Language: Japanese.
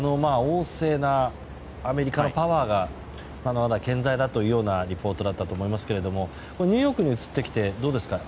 旺盛なアメリカのパワーがまだまだ健在だというようなリポートだったと思いましたがニューヨークに移ってきてどうですか？